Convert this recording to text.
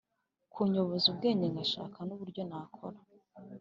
Kunyoboza ubwenge ngashaka n uburyo nakora